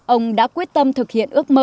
ông đã quyết tâm thực hiện ước mơ